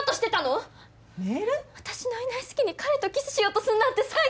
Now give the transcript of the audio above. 私のいない隙に彼とキスしようとするなんて最低！